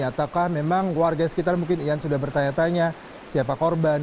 ataukah memang warga sekitar mungkin ian sudah bertanya tanya siapa korban